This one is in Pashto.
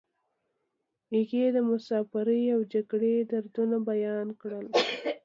هغې د مسافرۍ او جګړې دردونه بیان کړل